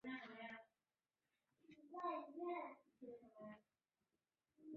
这跟台湾的金门颇为相似。